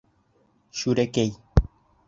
Шәүрәкәй!